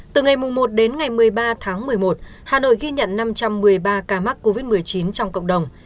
từ ngày một đến ngày một mươi ba tháng một mươi một hà nội ghi nhận năm trăm một mươi ba ca mắc covid một mươi chín trong cộng đồng